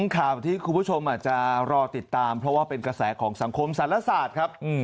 ข่าวที่คุณผู้ชมอาจจะรอติดตามเพราะว่าเป็นกระแสของสังคมศาลศาสตร์ครับ